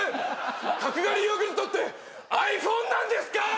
角刈りヨーグルトってｉＰｈｏｎｅなんですか！？